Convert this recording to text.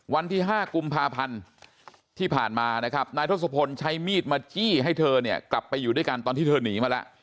วันที่๕กุมภาพันธ์ที่ผ่านมานะครับนายทศพลใช้มีดมาจี้ให้เธอเนี่ยกลับไปอยู่ด้วยกันตอนที่เธอหนีมาแล้ว